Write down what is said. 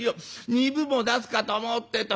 ２分も出すかと思うってえと」。